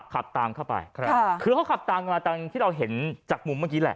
ขับตามเข้าไปคือเขาขับตามมาตามที่เราเห็นจากมุมเมื่อกี้แหละ